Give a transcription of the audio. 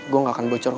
gue ga akan bocor kok